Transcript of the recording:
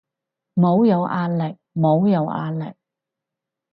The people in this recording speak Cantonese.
唔好有壓力，唔好有壓力